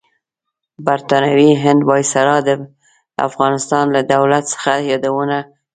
برطانوي هند وایسرای د افغانستان لۀ دولت څخه یادونه کړې.